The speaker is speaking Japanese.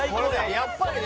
やっぱりね。